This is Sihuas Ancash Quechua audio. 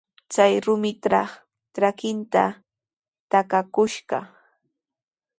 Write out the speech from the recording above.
Chay rumitraw trakinta takakushqa.